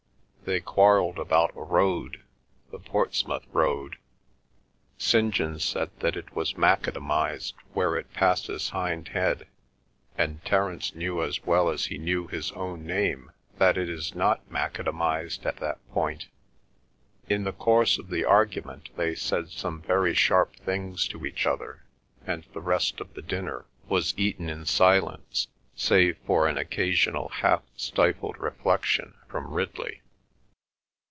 They quarrelled about a road, the Portsmouth Road. St. John said that it is macadamised where it passes Hindhead, and Terence knew as well as he knew his own name that it is not macadamised at that point. In the course of the argument they said some very sharp things to each other, and the rest of the dinner was eaten in silence, save for an occasional half stifled reflection from Ridley.